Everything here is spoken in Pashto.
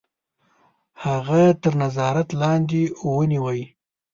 هغه تر نظارت لاندي ونیوی.